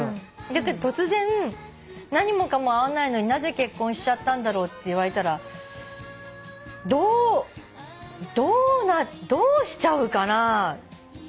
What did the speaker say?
だけど突然「何もかも合わないのになぜ結婚しちゃったんだろう」って言われたらどうどうしちゃうかなぁ。